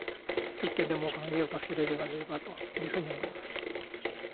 一件でも多くの家を助けられればいいなと思います。